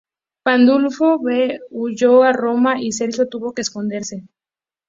Pandulfo V huyó a Roma y Sergio tuvo que esconderse.